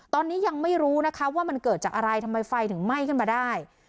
ตอนนี้ยังไม่รู้นะคะว่ามันเกิดจากอะไรทำไมไฟถึงไหม้ขึ้นมาได้